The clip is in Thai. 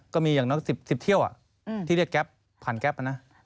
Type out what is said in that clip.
ก็มีอย่างน้อย๑๐เที่ยวที่เรียกแก๊ปผ่านแก๊ปนะ